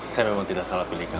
saya memang tidak salah pilih kamu